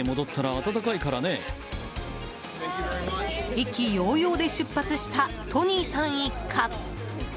意気揚々で出発したトニーさん一家。